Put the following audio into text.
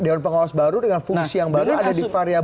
dewan pengawas baru dengan fungsi yang baru ada di variable